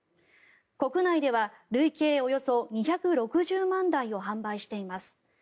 国内では累計およそ２６０万台を販売しています。